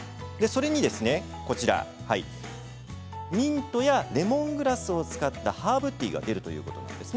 それにミントやレモングラスを使ったハーブティーが出るということです。